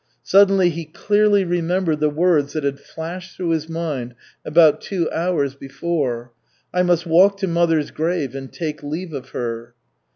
Suddenly he clearly remembered the words that had flashed through his mind about two hours before, "I must walk to mother's grave and take leave of her."